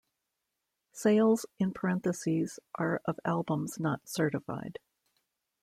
Sales in parentheses are of albums not certified.